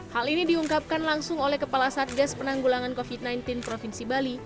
hal ini diungkapkan langsung oleh kepala satgas penanggulangan covid sembilan belas provinsi bali